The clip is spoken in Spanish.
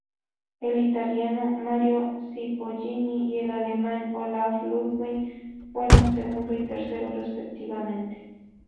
El italiano Mario Cipollini y el alemán Olaf Ludwig fueron segundo y tercero respectivamente.